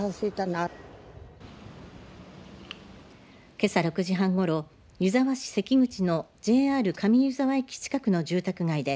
けさ６時半ごろ湯沢市関口のＪＲ上湯沢駅近くの住宅街で